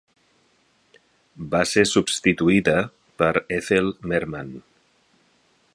Va ser substituïda per Ethel Merman.